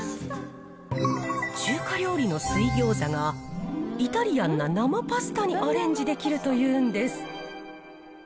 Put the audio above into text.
中華料理の水餃子が、イタリアンな生パスタにアレンジできるというんです。